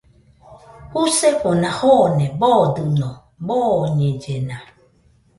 Jusefona jone boodɨno, dooñellena.